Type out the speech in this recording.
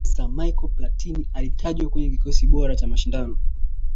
mfaransa michael platin alitajwa kwenye kikosi bora cha mashindano